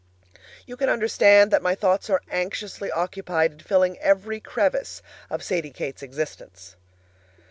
You can understand that my thoughts are anxiously occupied in filling every crevice of Sadie Kate's existence.